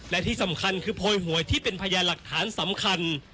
และที่สำคัญคือโพยหวยที่เป็นพยานหลักฐานสำคัญ